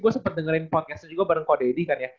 gue sempet dengerin podcastnya juga bareng coach daddy kan ya